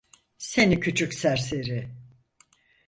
Seni küçük serseri!